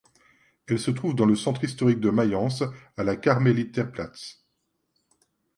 Elle se trouve dans le centre historique de Mayence à la Karmeliterplatz.